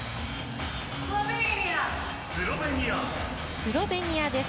スロベニアです。